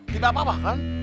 tidak apa apa kan